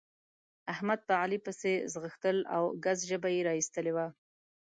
احمد په علي پسې ځغستل او ګز ژبه يې را اېستلې وه.